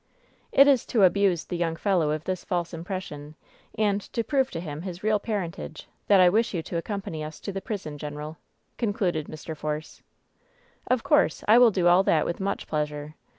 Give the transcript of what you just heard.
"It is to abuse the young fellow of this false impres sion, and to prove to him his real parentage, that I wish you to accompany us to the prison, general," concluded Mr. Force. "Of course, I will do all that with much pleasure.